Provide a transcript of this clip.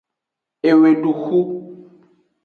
Eweduxu.